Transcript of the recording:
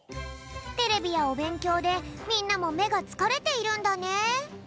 テレビやおべんきょうでみんなもめがつかれているんだね。